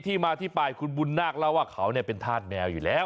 ที่มาที่ไปคุณบุญนาคเล่าว่าเขาเป็นธาตุแมวอยู่แล้ว